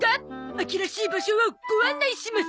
秋らしい場所をご案内します！